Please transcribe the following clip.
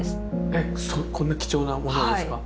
えっこんな貴重なものをですか？